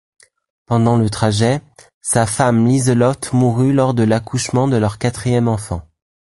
Pendant le trajet, sa femme Liselotte mourut lors de l'accouchement de leur quatrième enfant.